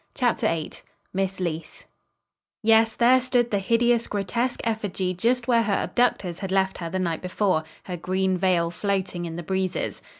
CHAPTER VIII MISS LEECE Yes, there stood the hideous, grotesque effigy just where her abductors had left her the night before, her green veil floating in the breezes.